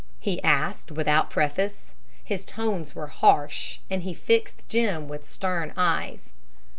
he asked, without preface. His tones were harsh, and he fixed Jim with stern eyes.